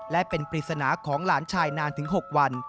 และเป็นปริศนาของหลานชายนานถึง๖วัน